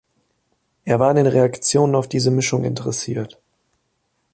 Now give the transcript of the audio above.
Er war an den Reaktionen auf diese Mischung interessiert.